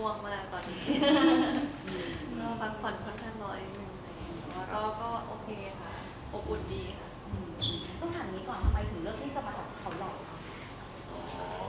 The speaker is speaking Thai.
ต้องถามนี้ก่อนทำไมถึงเลิกได้ที่จะมาถอดเขาแหละคะ